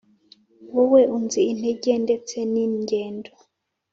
wowe unzi intege ndetse n ' ingendo